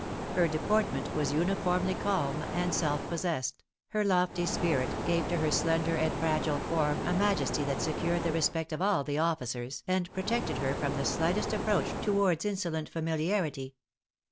Her deportment was uniformly calm and self possessed; her lofty spirit gave to her slender and fragile form a majesty that secured the respect of all the officers, and protected her from the slightest approach towards insolent familiarity.